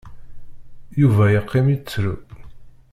Yuba iqqim ittru.